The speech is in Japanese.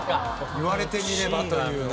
言われてみればというね。